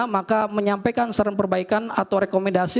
maka menyampaikan saran perbaikan atau rekomendasi